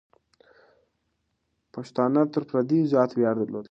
پښتانه تر پردیو زیات ویاړ درلود.